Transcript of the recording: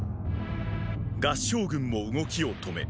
合従軍も動きを止め